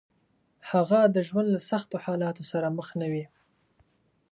هغه د ژوند له سختو حالاتو سره مخ نه وي.